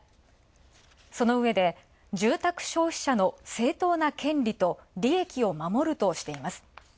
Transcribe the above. そのうえで住宅商社と正当な権利と利益を守るとしています。